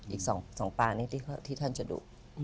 อีก๒ปางนี้ที่ท่านจะดุ